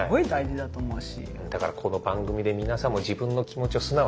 だからこの番組で皆さんも自分の気持ちを素直にね。